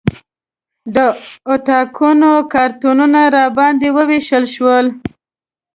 د اتاقونو کارتونه راباندې ووېشل شول.